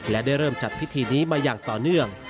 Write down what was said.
และได้เริ่มจัดพิธีนี้มาอย่างต่อเนื่อง